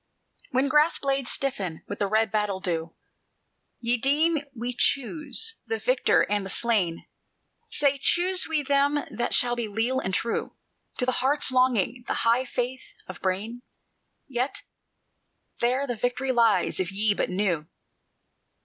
"When grass blades stiffen with red battle dew, Ye deem we choose the victor and the slain: Say, choose we them that shall be leal and true To the heart's longing, the high faith of brain? Yet there the victory lies, if ye but knew.